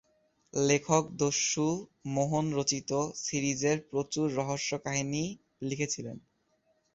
লেখক দস্যু মোহন রচিত সিরিজের প্রচুর রহস্য কাহিনী লিখেছিলেন।